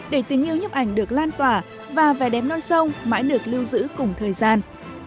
để tình yêu nhấp ảnh được lan tỏa và vẻ đẹp non sông mãi được lưu giữ cùng thời gian